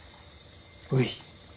おい。